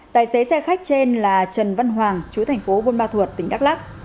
tài xế xe khách trên là trần văn hoàng chú thành phố vôn ba thuột tỉnh đắk lắc